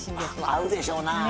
合うでしょうなぁ。